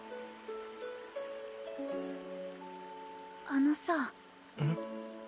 あのさうん？